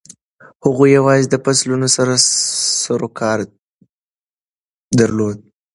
هغوی یوازې د فصلونو سره سروکار درلود.